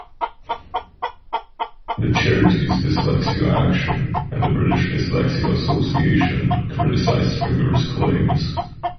The charities Dyslexia Action and the British Dyslexia Association criticised Stringer's claims.